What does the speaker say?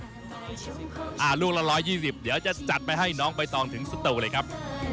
อ่าลูกเรา๑๒๐เดี๋ยวจะจัดไปให้น้องไปต่อถึงสะดุเลยครับ